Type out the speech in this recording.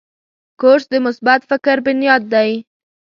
کورس د مثبت فکر بنیاد دی.